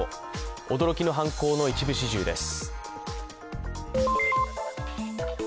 驚きの犯行の一部始終です。